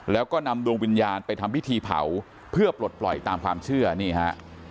แล้วก็นำดวงวิญญาณไปทำพิธีเผาเพื่อปลดปล่อยตามความเชื่อนี่ฮะ